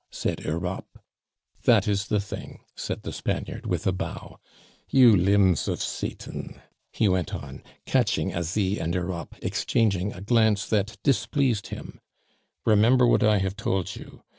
said Europe. "That is the thing," said the Spaniard, with a bow. "You limbs of Satan!" he went on, catching Asie and Europe exchanging a glance that displeased him, "remember what I have told you.